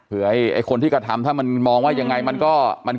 เผื่อยคนที่กะทำถ้ามันมองว่ายังไงมันก็ประหารชีวิต